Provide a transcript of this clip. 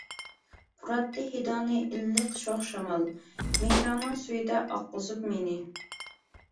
پۇراتتى ھىدىڭنى ئىللىق شوخ شامال، مېھرىڭنىڭ سۈيىدە ئاققۇزۇپ مېنى.